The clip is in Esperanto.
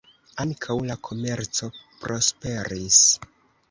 Ankaŭ la komerco prosperis.